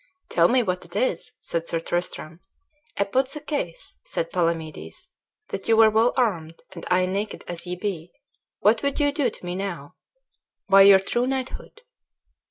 "Tell me what it is," said Sir Tristram. "I put the case," said Palamedes, "that you were well armed, and I naked as ye be; what would you do to me now, by your true knighthood?"